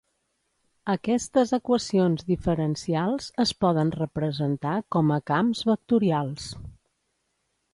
Aquestes equacions diferencials es poden representar com a camps vectorials.